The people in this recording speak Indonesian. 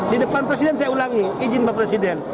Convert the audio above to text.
di depan presiden saya ulangi izin bapak presiden